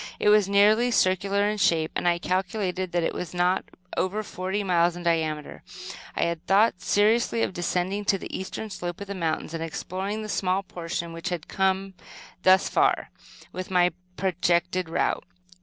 It was nearly circular in shape, and I calculated that it was not over forty miles in diameter. I had thought seriously of descending to the eastern slope of the mountains, and exploring the small portion which had not come, thus far, within my projected route.